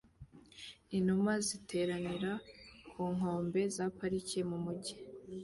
Inuma ziteranira ku nkombe za parike mu mujyi